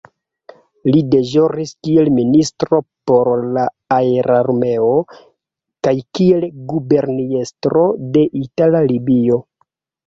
Li deĵoris kiel ministro por la Aerarmeo kaj kiel guberniestro de Itala Libio.